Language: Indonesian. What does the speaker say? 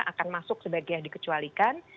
akan masuk sebagai yang dikecualikan